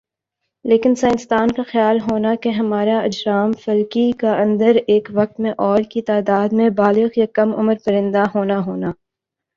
لیکن سائنسدان کا خیال ہونا کہ ہمارہ اجرام فلکی کا اندر ایک وقت میں اور کی تعداد میں بالغ یا کم عمر پرندہ ہونا ہونا